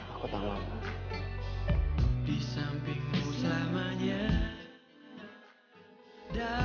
aku tahu apa